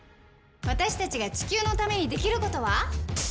私たちが地球のためにできることは？